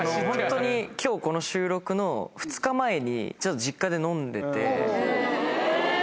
ホントに今日この収録の２日前に実家で飲んでて。